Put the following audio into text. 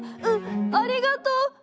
うんありがとう！